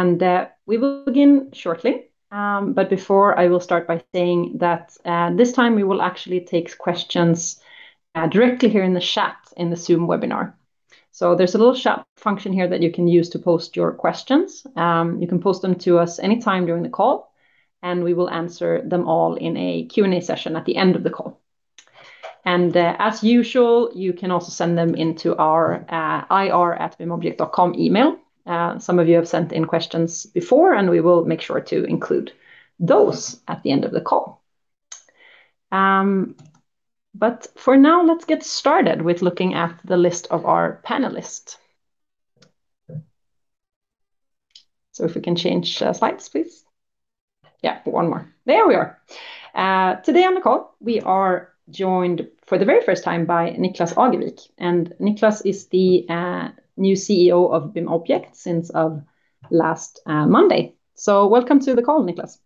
And we will begin shortly. But before I start by saying that, this time, we will actually take questions directly here in the chat, in the Zoom webinar. So there's a little chat function here that you can use to post your questions. You can post them to us anytime during the call, and we will answer them all in a Q&A session at the end of the call. And, as usual, you can also send them into our ir@bimobject.com email. Some of you have sent in questions before, and we will make sure to include those at the end of the call. But for now, let's get started with looking at the list of our panelists. So if we can change slides, please. Yeah, one more. There we are. Today on the call, we are joined for the very first time by Niklas Agevik, and Niklas is the new CEO of BIMobject since of last Monday. So welcome to the call, Niklas.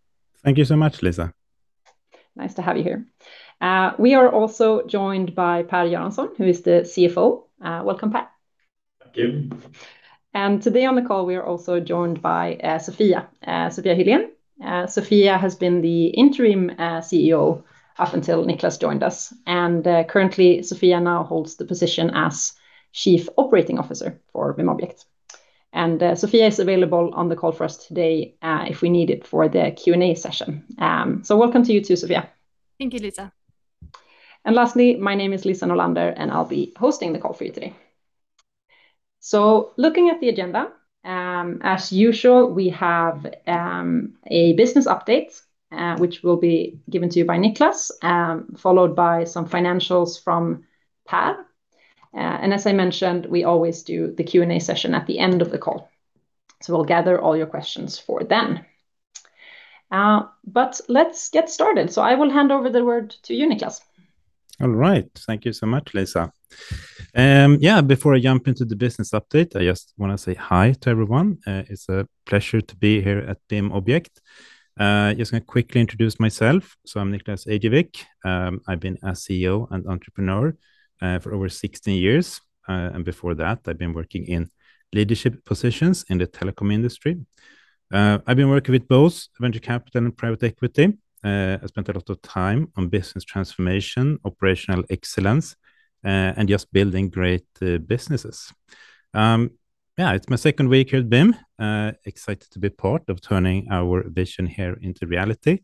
Thank you so much, Lisa. Nice to have you here. We are also joined by Per Göransson, who is the CFO. Welcome, Per. Thank you. And today on the call, we are also joined by Sofia Hylén. Sofia has been the Interim CEO up until Niklas joined us, and currently, Sofia now holds the position as Chief Operations Officer for BIMobject. Sofia is available on the call for us today, if we need it for the Q&A session. So welcome to you, too, Sofia. Thank you, Lisa. Lastly, my name is Lisa Norlander, and I'll be hosting the call for you today. Looking at the agenda, as usual, we have a business update, which will be given to you by Niklas, followed by some financials from Per. And as I mentioned, we always do the Q&A session at the end of the call, so we'll gather all your questions for then. But let's get started. So I will hand over the word to you, Niklas. All right. Thank you so much, Lisa. Yeah, before I jump into the business update, I just wanna say hi to everyone. It's a pleasure to be here at BIMobject. Just gonna quickly introduce myself. So I'm Niklas Agevik. I've been a CEO and entrepreneur for over 16 years, and before that, I've been working in leadership positions in the telecom industry. I've been working with both venture capital and private equity. I spent a lot of time on business transformation, operational excellence, and just building great businesses. Yeah, it's my second week at BIM. Excited to be part of turning our vision here into reality.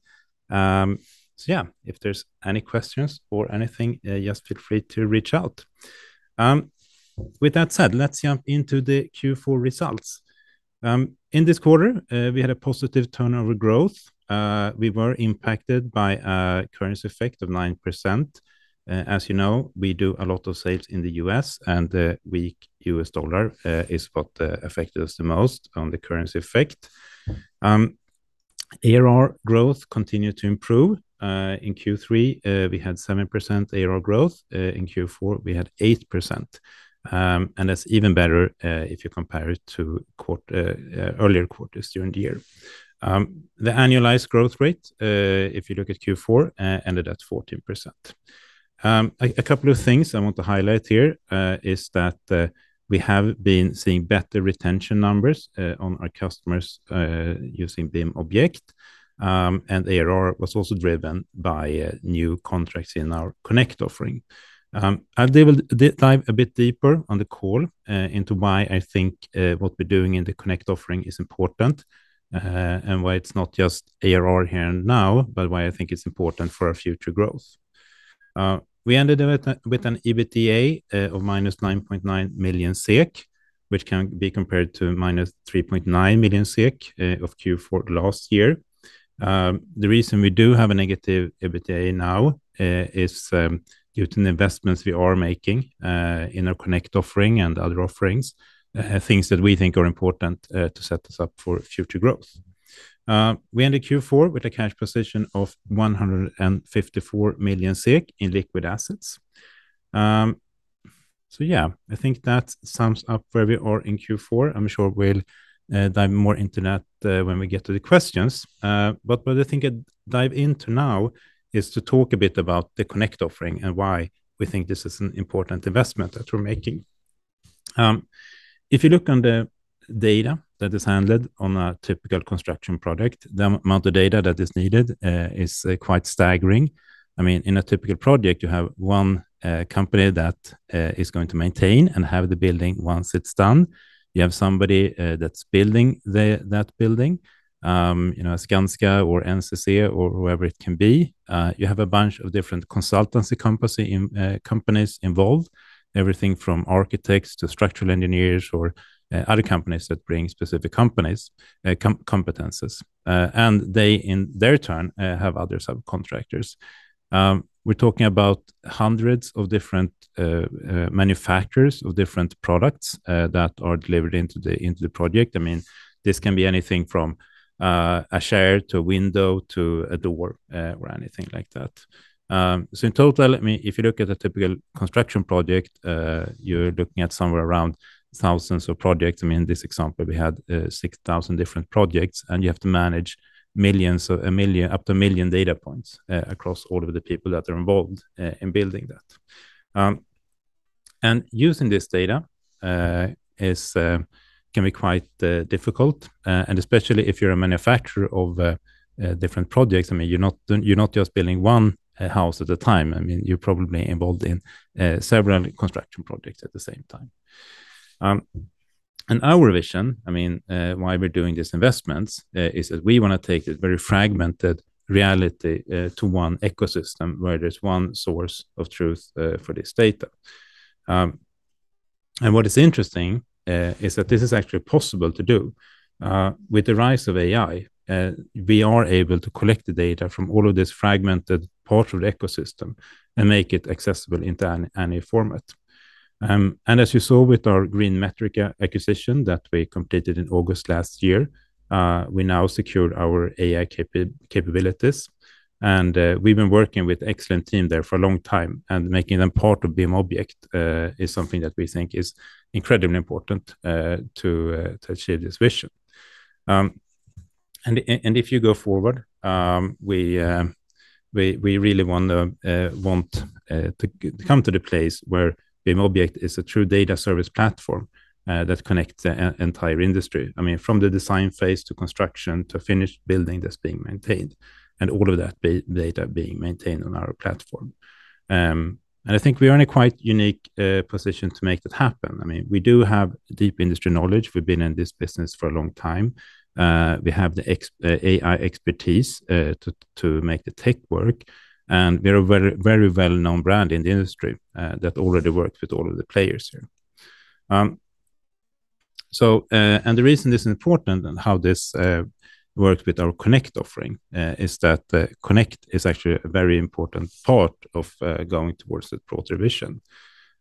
So yeah, if there's any questions or anything, just feel free to reach out. With that said, let's jump into the Q4 results. In this quarter, we had a positive turnover growth. We were impacted by a currency effect of 9%. As you know, we do a lot of sales in the U.S., and the weak U.S. dollar is what affected us the most on the currency effect. ARR growth continued to improve. In Q3, we had 7% ARR growth. In Q4, we had 8%. That's even better, if you compare it to earlier quarters during the year. The annualized growth rate, if you look at Q4, ended at 14%. A couple of things I want to highlight here is that we have been seeing better retention numbers on our customers using BIMobject, and ARR was also driven by new contracts in our Connect offering. I'll dive a bit deeper on the call into why I think what we're doing in the Connect offering is important and why it's not just ARR here and now, but why I think it's important for our future growth. We ended up with an EBITDA of -9.9 million SEK, which can be compared to -3.9 million SEK of Q4 last year. The reason we do have a negative EBITDA now is due to the investments we are making in our Connect offering and other offerings, things that we think are important to set us up for future growth. We ended Q4 with a cash position of 154 million SEK in liquid assets. So yeah, I think that sums up where we are in Q4. I'm sure we'll dive more into that when we get to the questions. But what I think I'd dive into now is to talk a bit about the Connect offering and why we think this is an important investment that we're making. If you look on the data that is handled on a typical construction project, the amount of data that is needed is quite staggering. I mean, in a typical project, you have one company that is going to maintain and have the building once it's done. You have somebody that's building that building, you know, Skanska or NCC or whoever it can be. You have a bunch of different consultancy companies involved, everything from architects to structural engineers or other companies that bring specific competences. And they, in their turn, have other subcontractors. We're talking about hundreds of different manufacturers of different products that are delivered into the project. I mean, this can be anything from a chair to a window, to a door or anything like that. So in total, I mean, if you look at a typical construction project, you're looking at somewhere around thousands of projects. I mean, in this example, we had 6,000 different projects, and you have to manage millions of one million up to one million data points across all of the people that are involved in building that. And using this data is can be quite difficult, and especially if you're a manufacturer of different projects. I mean, you're not just building one house at a time. I mean, you're probably involved in several construction projects at the same time. And our vision, I mean, why we're doing these investments is that we wanna take the very fragmented reality to one ecosystem, where there's one source of truth for this data. And what is interesting is that this is actually possible to do. With the rise of AI, we are able to collect the data from all of this fragmented part of the ecosystem and make it accessible into any format. As you saw with our GreenMetrica acquisition that we completed in August last year, we now secured our AI capabilities, and we've been working with excellent team there for a long time, and making them part of BIMobject is something that we think is incredibly important to achieve this vision. If you go forward, we really want to come to the place where BIMobject is a true data service platform that connects the entire industry, I mean, from the design phase, to construction, to finished building that's being maintained, and all of that data being maintained on our platform. I think we are in a quite unique position to make that happen. I mean, we do have deep industry knowledge. We've been in this business for a long time. We have the AI expertise to make the tech work, and we're a very, very well-known brand in the industry that already works with all of the players here. So, and the reason this is important and how this works with our Connect offering is that Connect is actually a very important part of going towards the broader vision.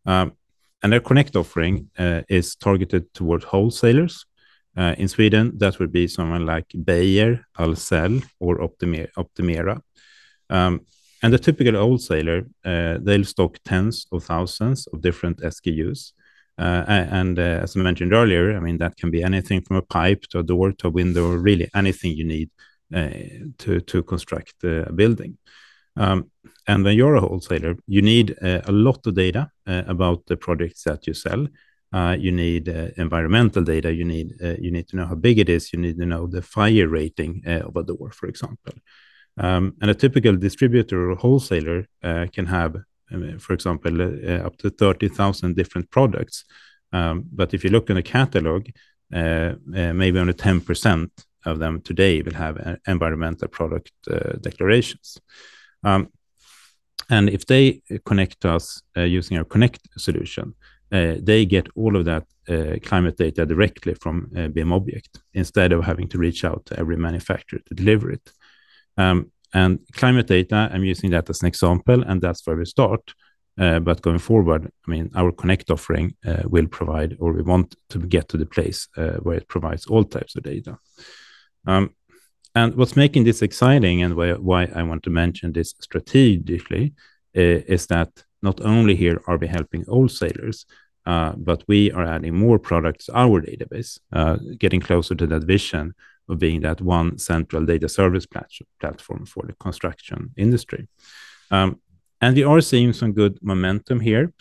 And our Connect offering is targeted towards wholesalers. In Sweden, that would be someone like Beijer, Ahlsell, or Optimera. And the typical wholesaler, they'll stock tens of thousands of different SKUs. And as I mentioned earlier, I mean, that can be anything from a pipe, to a door, to a window, or really anything you need to construct a building. And when you're a wholesaler, you need a lot of data about the products that you sell. You need environmental data. You need to know how big it is. You need to know the fire rating, of the door, for example. And a typical distributor or wholesaler, can have, I mean, for example, up to 30,000 different products. But if you look in a catalog, maybe only 10% of them today will have environmental product declarations. And if they connect to us, using our Connect solution, they get all of that, climate data directly from, BIMobject, instead of having to reach out to every manufacturer to deliver it. And climate data, I'm using that as an example, and that's where we start, but going forward, I mean, our Connect offering, will provide or we want to get to the place, where it provides all types of data. And what's making this exciting and why I want to mention this strategically is that not only here are we helping wholesalers, but we are adding more products to our database, getting closer to that vision of being that one central data service platform for the construction industry. And we are seeing some good momentum here.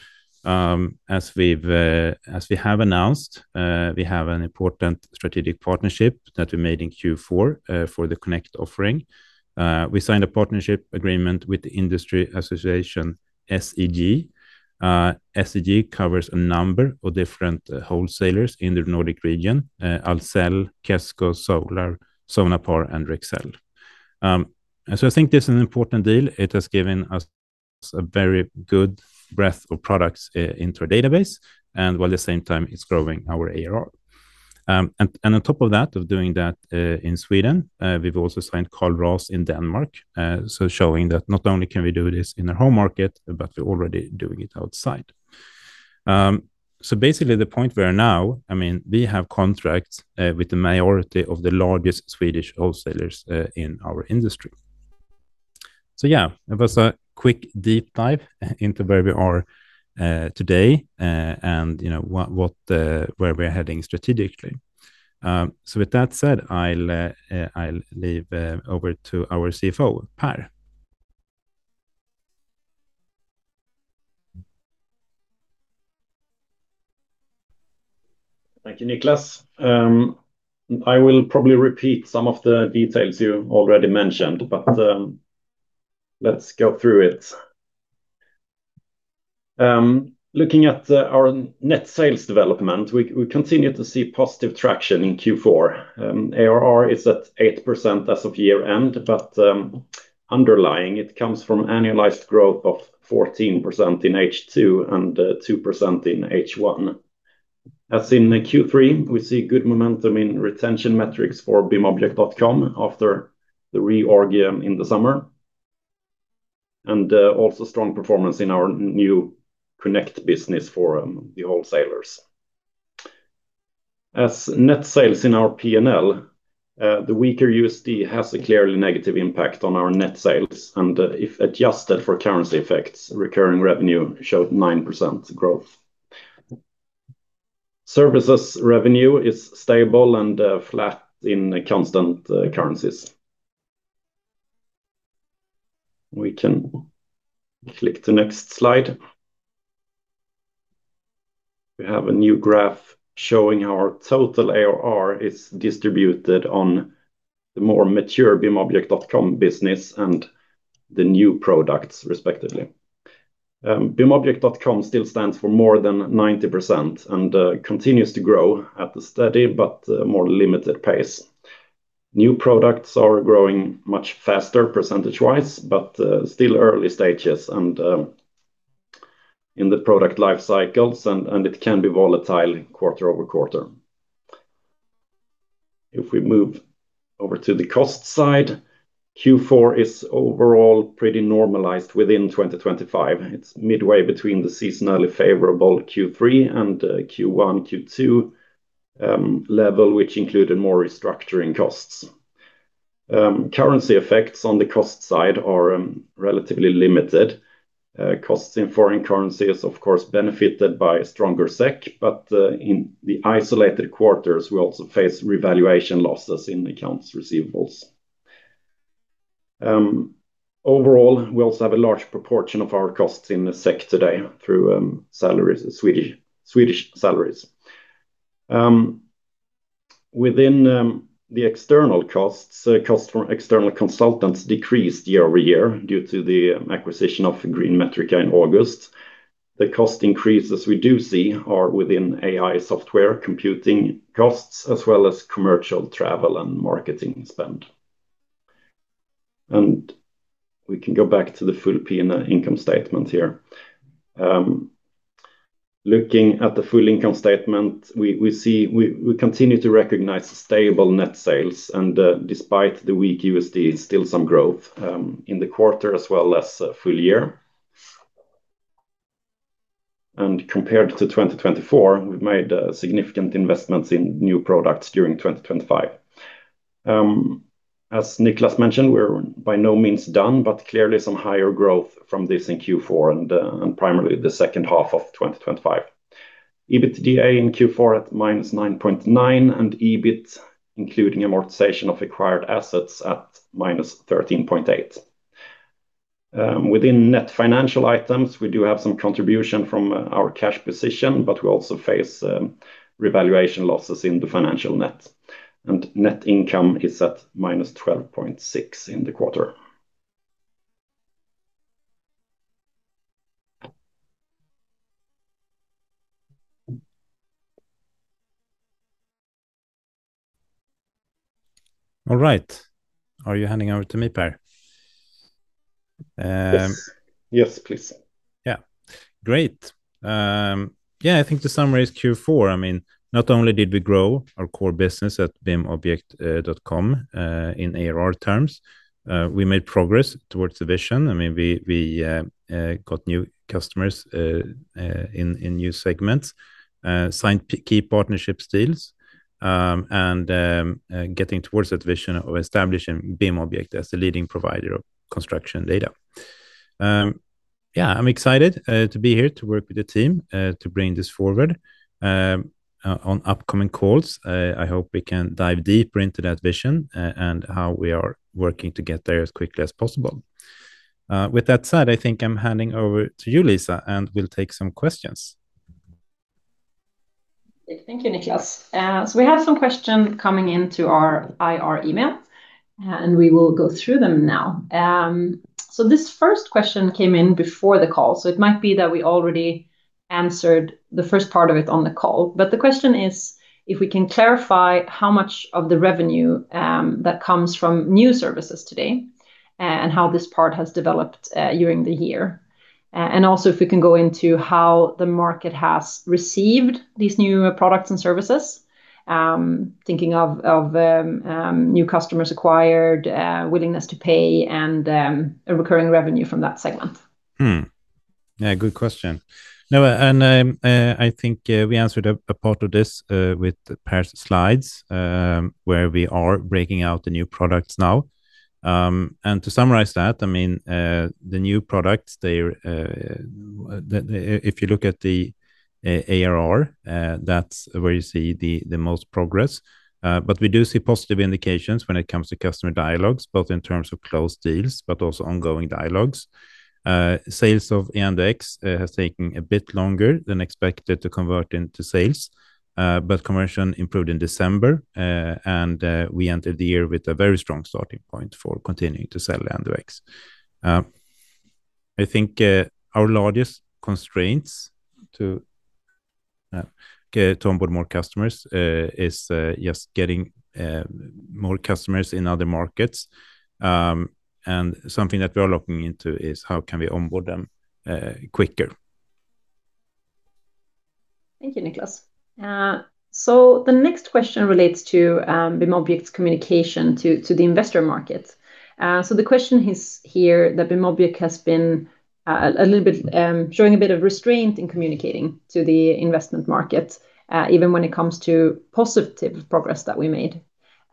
As we have announced, we have an important strategic partnership that we made in Q4 for the Connect offering. We signed a partnership agreement with the industry association SEG. SEG covers a number of different wholesalers in the Nordic region, Ahlsell, Kesko, Solar, Sonepar, and Rexel. And so I think this is an important deal. It has given us a very good breadth of products into our database, and while at the same time, it's growing our ARR. And on top of that, of doing that in Sweden, we've also signed Carl Ras in Denmark, so showing that not only can we do this in our home market, but we're already doing it outside. So basically, the point we're at now, I mean, we have contracts with the majority of the largest Swedish wholesalers in our industry. So yeah, it was a quick, deep dive into where we are today, and you know, what, what where we're heading strategically. So with that said, I'll, I'll leave over to our CFO, Per. Thank you, Niklas. I will probably repeat some of the details you already mentioned, but, let's go through it. Looking at our net sales development, we continue to see positive traction in Q4. ARR is at 8% as of year-end, but underlying, it comes from annualized growth of 14% in H2 and 2% in H1. As in Q3, we see good momentum in retention metrics for bimobject.com after the reorg in the summer, and also strong performance in our new Connect business for the wholesalers. As net sales in our PNL, the weaker USD has a clearly negative impact on our net sales, and if adjusted for currency effects, recurring revenue showed 9% growth. Services revenue is stable and flat in the constant currencies. We can click the next slide. We have a new graph showing our total ARR is distributed on the more mature bimobject.com business and the new products, respectively. bimobject.com still stands for more than 90%, and continues to grow at a steady but more limited pace. New products are growing much faster percentage-wise, but still early stages and in the product life cycles, and it can be volatile quarter over quarter. If we move over to the cost side, Q4 is overall pretty normalized within 2025. It's midway between the seasonally favorable Q3 and Q1, Q2 level, which included more restructuring costs. Currency effects on the cost side are relatively limited. Costs in foreign currency is, of course, benefited by a stronger SEK, but in the isolated quarters, we also face revaluation losses in accounts receivable. Overall, we also have a large proportion of our costs in the SEK today through salaries, Swedish salaries. Within the external costs, cost from external consultants decreased year-over-year due to the acquisition of GreenMetrica in August. The cost increases we do see are within AI software, computing costs, as well as commercial travel and marketing spend. We can go back to the full P&L income statement here. Looking at the full income statement, we see we continue to recognize stable net sales, and despite the weak USD, still some growth in the quarter, as well as a full year. Compared to 2024, we've made significant investments in new products during 2025. As Niklas mentioned, we're by no means done, but clearly some higher growth from this in Q4 and and primarily the second half of 2025. EBITDA in Q4 at -9.9, and EBIT, including amortization of acquired assets, at -13.8. Within net financial items, we do have some contribution from our cash position, but we also face revaluation losses in the financial net, and net income is at -12.6 in the quarter. All right. Are you handing over to me, Per? Yes. Yes, please. Yeah. Great. Yeah, I think the summary is Q4. I mean, not only did we grow our core business at bimobject.com in ARR terms, we made progress towards the vision. I mean, we got new customers in new segments, signed key partnership deals, and getting towards that vision of establishing BIMobject as the leading provider of construction data. Yeah, I'm excited to be here, to work with the team to bring this forward. On upcoming calls, I hope we can dive deeper into that vision and how we are working to get there as quickly as possible. With that said, I think I'm handing over to you, Lisa, and we'll take some questions. Thank you, Niklas. So we have some questions coming into our IR email, and we will go through them now. This first question came in before the call, so it might be that we already answered the first part of it on the call, but the question is, if we can clarify how much of the revenue that comes from new services today, and how this part has developed during the year. And also, if we can go into how the market has received these new products and services, thinking of new customers acquired, willingness to pay, and a recurring revenue from that segment. Hmm. Yeah, good question. No, and I think we answered a part of this with Per's slides, where we are breaking out the new products now. And to summarize that, I mean, the new products, they're... If you look at the ARR, that's where you see the most progress. But we do see positive indications when it comes to customer dialogues, both in terms of closed deals, but also ongoing dialogues. Sales of EandoX has taken a bit longer than expected to convert into sales, but conversion improved in December, and we entered the year with a very strong starting point for continuing to sell EandoX. I think our largest constraints to onboard more customers is just getting more customers in other markets. And something that we are looking into is how can we onboard them quicker. Thank you, Niklas. So the next question relates to BIMobject's communication to the investor market. So the question is here, that BIMobject has been a little bit showing a bit of restraint in communicating to the investment market, even when it comes to positive progress that we made.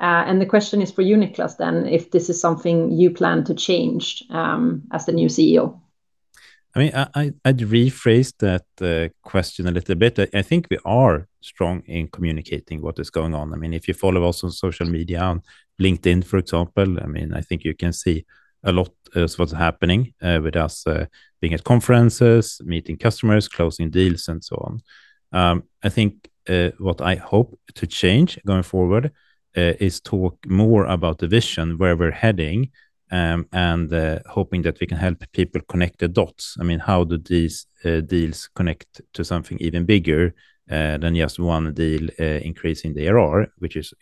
And the question is for you, Niklas, then, if this is something you plan to change as the new CEO?... I mean, I'd rephrase that question a little bit. I think we are strong in communicating what is going on. I mean, if you follow us on social media, on LinkedIn, for example, I mean, I think you can see a lot of what's happening with us being at conferences, meeting customers, closing deals, and so on. I think what I hope to change going forward is talk more about the vision, where we're heading, and hoping that we can help people connect the dots. I mean, how do these deals connect to something even bigger than just one deal increasing the ARR, which is,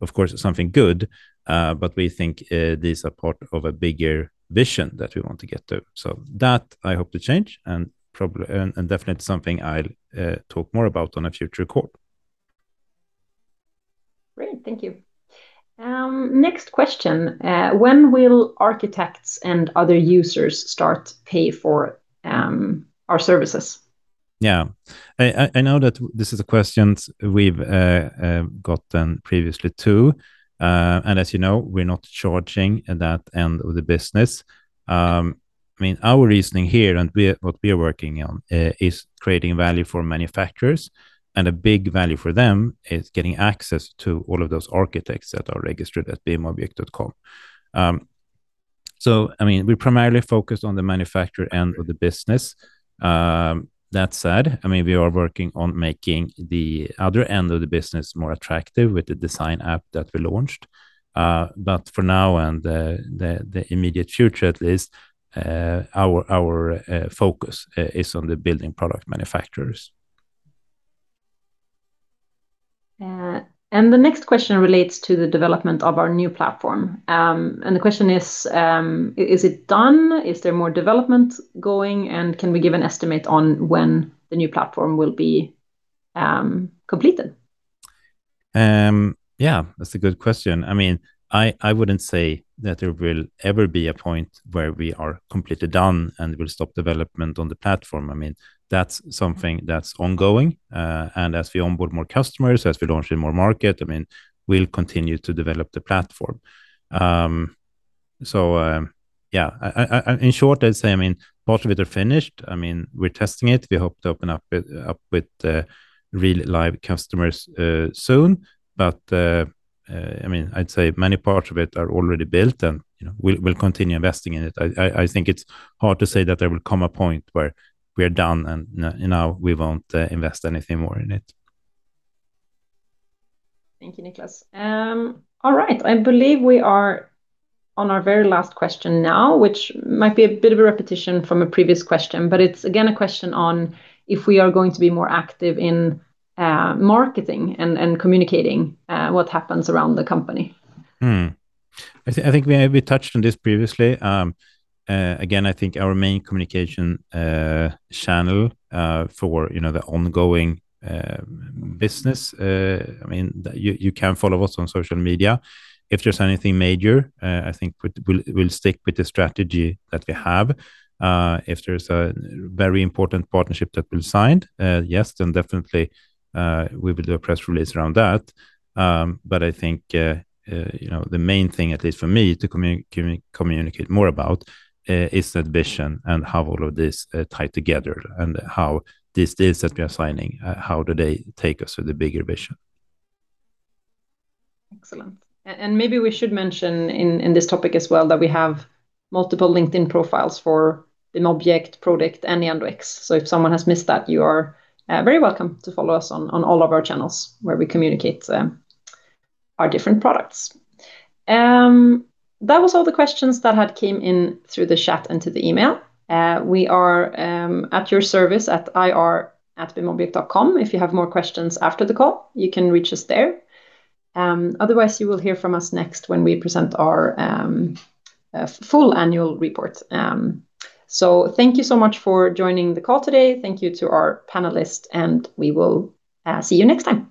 of course, something good. But we think these are part of a bigger vision that we want to get to. So that I hope to change, and probably and definitely something I'll talk more about on a future call. Great, thank you. Next question, when will architects and other users start to pay for our services? Yeah. I know that this is a question we've gotten previously, too. And as you know, we're not charging at that end of the business. I mean, our reasoning here, and what we are working on, is creating value for manufacturers, and a big value for them is getting access to all of those architects that are registered at bimobject.com. So I mean, we primarily focus on the manufacturer end of the business. That said, I mean, we are working on making the other end of the business more attractive with the Design App that we launched. But for now and the immediate future at least, our focus is on the building product manufacturers. The next question relates to the development of our new platform. The question is, is it done? Is there more development going, and can we give an estimate on when the new platform will be completed? Yeah, that's a good question. I mean, I wouldn't say that there will ever be a point where we are completely done and will stop development on the platform. I mean, that's something that's ongoing. And as we onboard more customers, as we launch in more markets, I mean, we'll continue to develop the platform. So, yeah, I in short, I'd say, I mean, most of it are finished. I mean, we're testing it. We hope to open it up with real, live customers soon. But, I mean, I'd say many parts of it are already built, and, you know, we'll continue investing in it. I think it's hard to say that there will come a point where we're done, and now we won't invest anything more in it. Thank you, Niklas. All right, I believe we are on our very last question now, which might be a bit of a repetition from a previous question, but it's again a question on if we are going to be more active in marketing and communicating what happens around the company. I think we touched on this previously. Again, I think our main communication channel for you know the ongoing business, I mean, you can follow us on social media. If there's anything major, I think we'll stick with the strategy that we have. If there's a very important partnership that we've signed, yes, then definitely we will do a press release around that. But I think you know the main thing, at least for me, to communicate more about is that vision and how all of this tie together, and how these deals that we are signing how do they take us to the bigger vision? Excellent. And maybe we should mention in this topic as well, that we have multiple LinkedIn profiles for BIMobject, Prodikt, and Neondix. So if someone has missed that, you are very welcome to follow us on all of our channels, where we communicate our different products. That was all the questions that had came in through the chat and to the email. We are at your service at ir@bimobject.com. If you have more questions after the call, you can reach us there. Otherwise, you will hear from us next when we present our full annual report. So thank you so much for joining the call today. Thank you to our panelists, and we will see you next time.